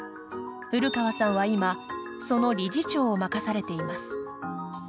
古川さんは今その理事長を任されています。